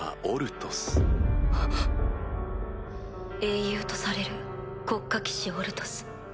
英雄とされる国家騎士オルトス。